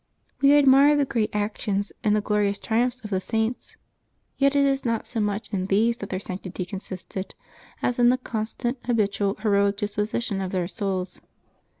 — We admire the great actions and the glori ous triumph of the Saints; yet it is not so much in these that their sanctity consisted, as in the constant, hahitual heroic disposition of their souls.